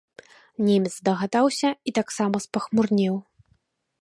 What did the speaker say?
Немец здагадаўся і таксама спахмурнеў.